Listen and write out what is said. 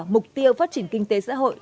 mục tiêu phát triển kinh tế xã hội